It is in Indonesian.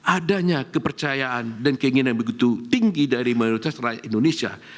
adanya kepercayaan dan keinginan yang begitu tinggi dari mayoritas rakyat indonesia